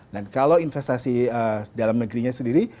dan kalau investasi dalam negerinya sendiri